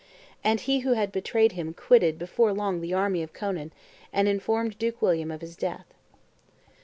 And he who had betrayed him quitted before long the army of Conan, and informed Duke William of his death."